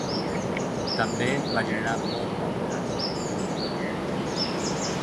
També va generar molt poc trànsit.